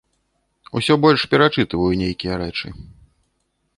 Усё больш перачытваю нейкія рэчы.